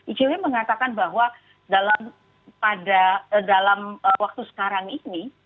icw mengatakan bahwa dalam waktu sekarang ini